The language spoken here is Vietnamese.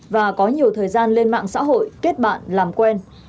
và có nhiều thời gian lên mạng xã hội kết bạn làm quen